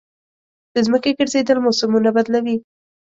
د ځمکې ګرځېدل موسمونه بدلوي.